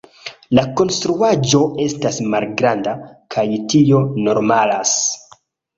La konstruaĵo estas malgranda, kaj tio normalas.